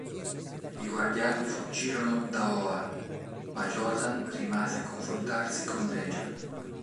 I Guardiani fuggirono da Oa, ma Jordan rimase a confrontarsi con Legion.